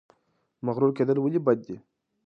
مغرور کیدل ولې بد دي؟